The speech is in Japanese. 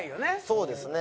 そうですね。